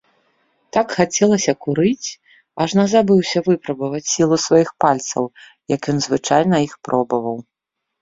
Так хацелася курыць, ажно забыўся выпрабаваць сілу сваіх пальцаў, як ён звычайна іх пробаваў.